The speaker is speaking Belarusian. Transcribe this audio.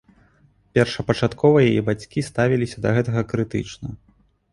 Першапачаткова яе бацькі ставіліся да гэтага крытычна.